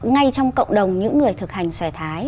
ngay trong cộng đồng những người thực hành xòe thái